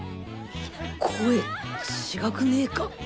声違くねえか？